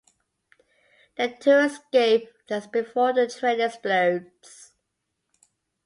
The two escape just before the train explodes.